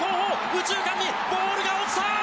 右中間にボールが落ちた！